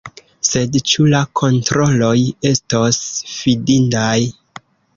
Sed ĉu la kontroloj estos fidindaj?